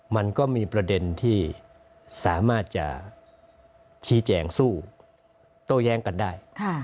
มันก็มีประเด็นที่สามารถจะชี้แจงสู้โต้แย้งกันได้